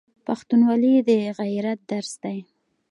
پښتونولي د غیرت درس دی.